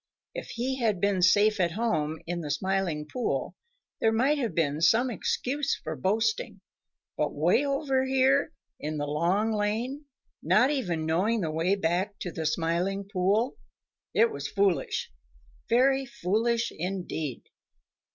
If he had been safe at home in the Smiling Pool, there might have been some excuse for boasting, but way over here in the Long Lane, not even knowing the way back to the Smiling Pool, it was foolish, very foolish indeed.